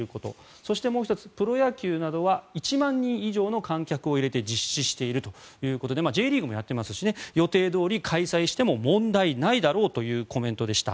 そして、もう１つプロ野球などは１万人以上の観客を入れて実施しているということでＪリーグもやっていますし予定どおり開催しても問題ないだろうというコメントでした。